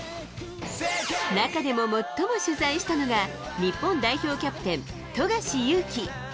中でも最も取材したのが、日本代表キャプテン、富樫勇樹。